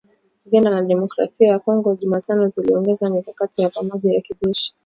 Uganda na Jamhuri ya Kidemokrasi ya Kongo Jumatano ziliongeza mikakati ya pamoja ya kijeshi